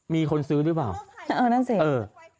มีคนซื้อรึเปล่าเออนั่นสินะคะ